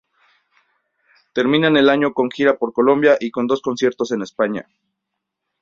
Terminan el año con una gira por Colombia y con dos conciertos en España.